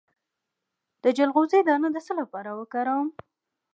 د چلغوزي دانه د څه لپاره وکاروم؟